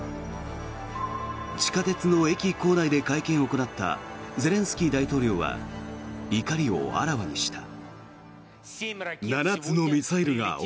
地下鉄の駅構内で会見を行ったゼレンスキー大統領は怒りをあらわにした。